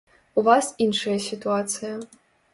У вас іншая сітуацыя.